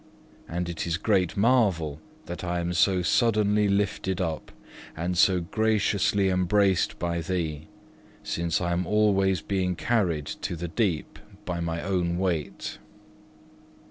And it is great marvel that I am so suddenly lifted up, and so graciously embraced by Thee, since I am always being carried to the deep by my own weight.